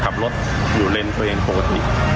ขับรถอยู่เลนส์ตัวเองปกติ